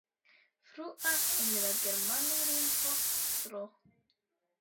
Flua en la germana lingvo, Dro.